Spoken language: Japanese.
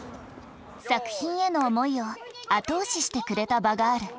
作品への思いを後押ししてくれた場がある。